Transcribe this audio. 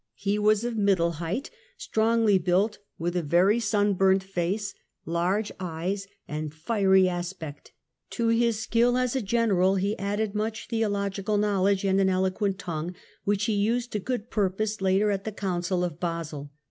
He was of middle height, strongly built, with a very sun burnt face, large eyes and fiery aspect ; to his skill as a general he added much theological knowledge and an eloquent tongue, which he used to good purpose later at the Council of Basle.